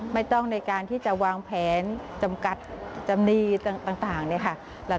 ไม่ต้องในการที่จะวางแผนจำกัดจำหนี้ต่างเนี่ยค่ะ